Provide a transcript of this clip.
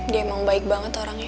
dia emang baik banget orangnya